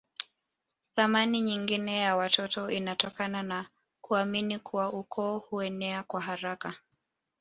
Thamani nyingine ya watoto inatokana na kuamini kuwa ukoo huenea kwa haraka